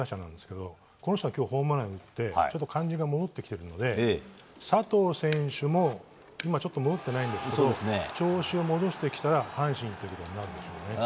この人は今日ホームラン打って感じが戻ってきているので佐藤選手も今、ちょっと調子が戻っていないんですが調子を戻してきたら阪神っていうことになるでしょうね。